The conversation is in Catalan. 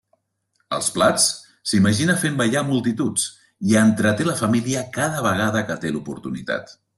Als plats, s'imagina fent ballar multituds i entreté la família cada vegada que té l'oportunitat.